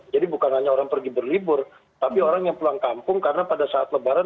jadi bukan hanya orang pergi berlibur tapi orang yang pulang kampung karena pada saat lebaran